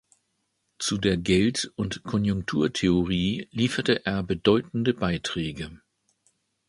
Zu der Geld- und Konjunkturtheorie lieferte er bedeutende Beiträge.